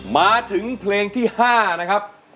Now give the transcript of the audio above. มาถึงเพลงที่๕นะครับ